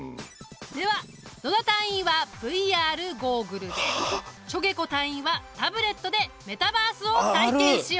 では野田隊員はＶＲゴーグルでしょげこ隊員はタブレットでメタバースを体験しよう！